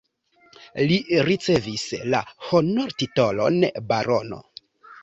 Li ricevis la honortitolon barono.